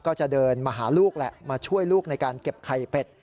ก็จะเดินมาหาลูกแหละมาช่วยลูกในการเก็บไข่เป็ด